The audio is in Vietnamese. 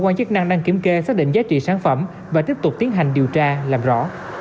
cơ quan chức năng đang kiểm kê xác định giá trị sản phẩm và tiếp tục tiến hành điều tra làm rõ